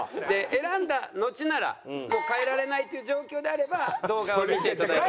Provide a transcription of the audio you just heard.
選んだのちならもう変えられないっていう状況であれば動画を見ていただいても。